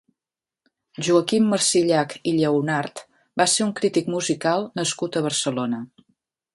Joaquim Marsillach i Lleonart va ser un crític musical nascut a Barcelona.